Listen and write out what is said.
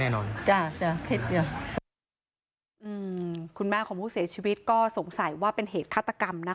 อืมคุณแม่ของผู้เสียชีวิตก็สงสัยว่าเป็นเหตุฆาตกรรมนะคะ